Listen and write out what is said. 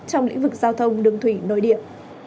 trong lĩnh vực giao thông đường thủy nội địa